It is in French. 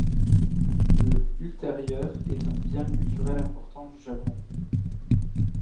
Le ultérieur est un bien culturel important du Japon.